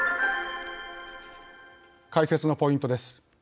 解説のポイントです。